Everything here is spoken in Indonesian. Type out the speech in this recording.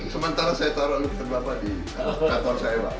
sementara saya taro lukisan bapak di kantor saya